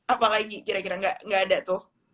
apa lagi kira kira nggak ada tuh